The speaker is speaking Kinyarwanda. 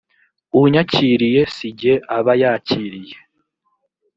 unyakiriye si jye aba yakiriye